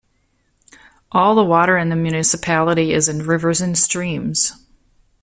All the water in the municipality is in rivers and streams.